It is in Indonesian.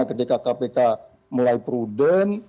ketika kpk mulai prudent